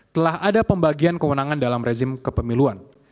telah ada pembagian kewenangan dalam rezim kepemiluan